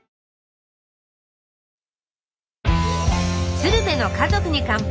「鶴瓶の家族に乾杯」。